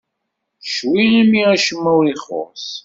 Ccwi imi acemma ur ixuṣṣ.